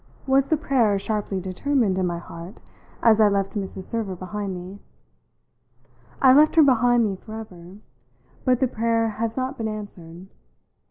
was the prayer sharply determined in my heart as I left Mrs. Server behind me. I left her behind me for ever, but the prayer has not been answered.